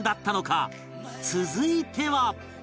続いては